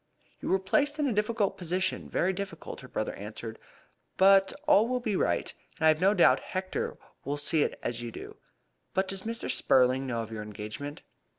"You were placed in a difficult position very difficult," her brother answered. "But all will be right, and I have no doubt Hector will see it as you do. But does Mr. Spurling know of your engagement?"